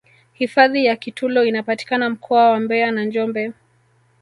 hifadhi ya kitulo inapatikana mkoa wa mbeya na njombe